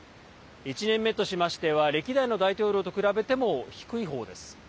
１年目としましては歴代の大統領と比べても低い方です。